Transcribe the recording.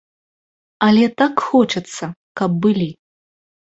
Але так хочацца, каб былі.